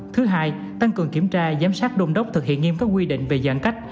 thứ hai tăng cường kiểm tra giám sát đôn đốc thực hiện nghiêm các quy định về giãn cách